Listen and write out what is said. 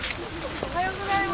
おはようございます。